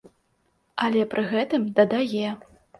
Але пры гэтым дадае.